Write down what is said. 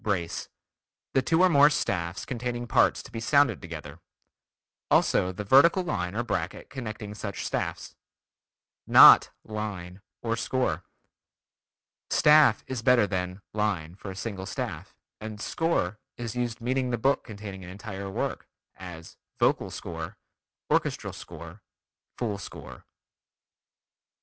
Brace: The two or more staffs containing parts to be sounded together; also the vertical line or bracket connecting such staffs. Not "line" or "score." "Staff" is better than "line" for a single staff, and "score" is used meaning the book containing an entire work, as "vocal score," "orchestral score," "full score."